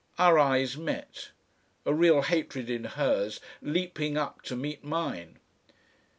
Our eyes met; a real hatred in hers leaping up to meet mine.